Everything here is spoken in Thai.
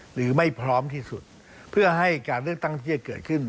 หรือไม่พร้อมที่สุดเพื่อให้การเลือกตั้งที่จะเกิดขึ้น